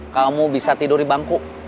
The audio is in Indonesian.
kamu bisa tidur di bangku